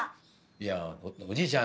いやおじいちゃん